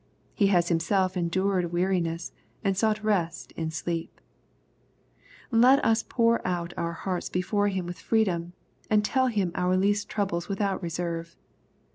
He has himself endured weariness, and sought rest in sleep. — Let us pour oi^tmir hearts before him with free dom, and tell Him our least troubles without reserve.